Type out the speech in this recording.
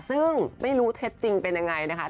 ซึ่งไม่รู้เท็จจริงเป็นยังไงนะคะ